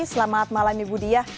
selamat malam ibu diah